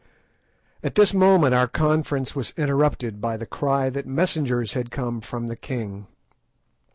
At this moment our conference was interrupted by the cry that messengers had come from the king.